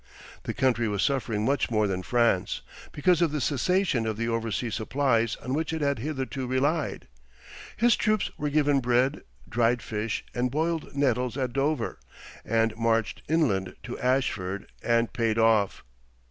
The country was suffering much more than France, because of the cessation of the overseas supplies on which it had hitherto relied. His troops were given bread, dried fish, and boiled nettles at Dover, and marched inland to Ashford and paid off.